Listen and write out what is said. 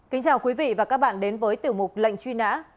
kính chào quý vị và các bạn đến với tiểu mục lệnh truy nã